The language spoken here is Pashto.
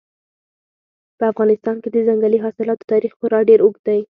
په افغانستان کې د ځنګلي حاصلاتو تاریخ خورا ډېر اوږد دی.